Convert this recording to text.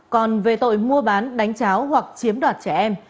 còn về tội mua bán đánh cháo hoặc chiếm đoạt trẻ em